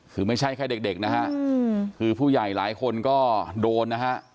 คือไม่ใช่แค่เด็กนะฮะคือผู้ใหญ่หลายคนก็โดนนะฮะ